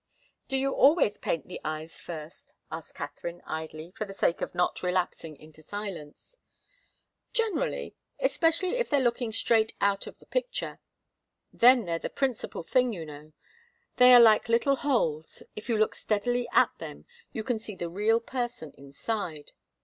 "Do you always paint the eyes first?" asked Katharine, idly, for the sake of not relapsing into silence. "Generally especially if they're looking straight out of the picture. Then they're the principal thing, you know. They are like little holes if you look steadily at them you can see the real person inside.